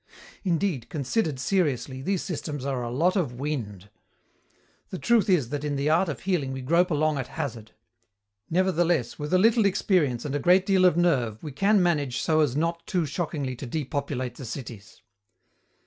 Indeed, considered seriously, these systems are a lot of wind. The truth is that in the art of healing we grope along at hazard. Nevertheless, with a little experience and a great deal of nerve we can manage so as not too shockingly to depopulate the cities.